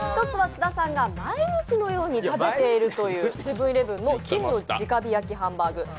１つは津田さんが毎日のように食べているというセブン−イレブンの金の直火焼ハンバーグ。